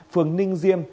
phường ninh diêm